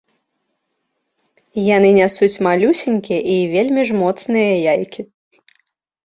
Яны нясуць малюсенькія і вельмі ж моцныя яйкі.